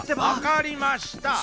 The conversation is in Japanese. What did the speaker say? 分かりました！